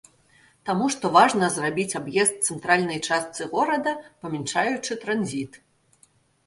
Таму што важна зрабіць аб'езд цэнтральнай частцы горада, памяншаючы транзіт.